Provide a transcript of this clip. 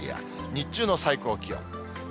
日中の最高気温。